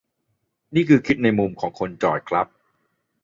นี่คือคิดในมุมคนจอดครับ